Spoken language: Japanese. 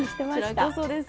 こちらこそです。